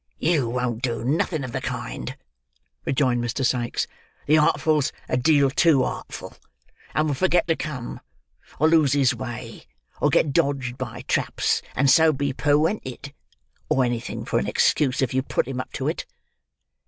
"You won't do nothing of the kind," rejoined Mr. Sikes. "The Artful's a deal too artful, and would forget to come, or lose his way, or get dodged by traps and so be perwented, or anything for an excuse, if you put him up to it.